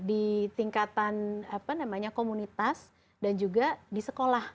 di tingkatan komunitas dan juga di sekolah